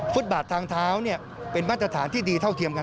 บาททางเท้าเป็นมาตรฐานที่ดีเท่าเทียมกัน